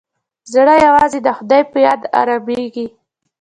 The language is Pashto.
زړه یوازې د خدای په یاد ارامېږي.